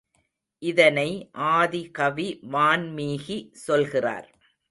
இதனை ஆதிகவி வான்மீகி சொல்கிறார்.